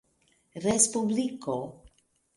respubliko